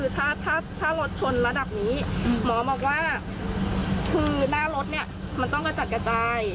ถ้าถ้ารถชนระดับนี้หมอบอกว่าคือหน้ารถเนี่ยมันต้องกระจัดกระจาย